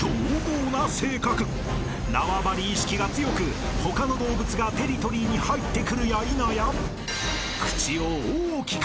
［縄張り意識が強く他の動物がテリトリーに入ってくるやいなや］